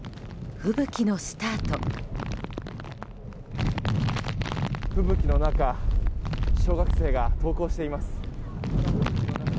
吹雪の中小学生が登校しています。